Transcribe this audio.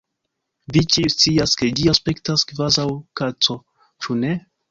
Vi ĉiuj scias ke ĝi aspektas kvazaŭ kaco, ĉu ne?